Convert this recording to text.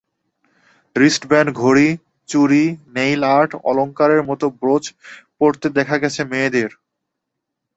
Wristband ঘড়ি, চুড়ি, nail art, অলংকারের মতো ব্রোচ পরতে দেখা গেছে মেয়েদের।